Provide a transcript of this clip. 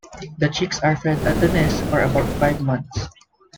The chicks are fed at the nest for about five months.